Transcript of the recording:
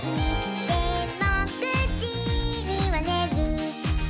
「でも９じにはねる」